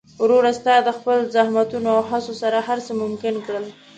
وروره! ستا د خپل زحمتونو او هڅو سره هر څه ممکن کړل.